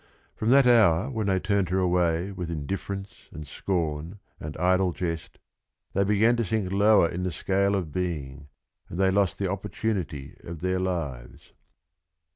From that hour when they turned her away with indifference and scorn and idle jest they began to sink lower in the scale of being, and they lost the opportunity of their lives.